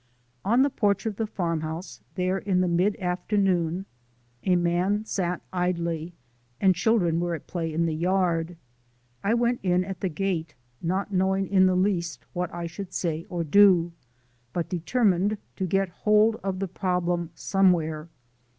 On the porch of the farmhouse, there in the mid afternoon, a man sat idly; and children were at play in the yard. I went in at the gate, not knowing in the least what I should say or do, but determined to get hold of the problem somewhere.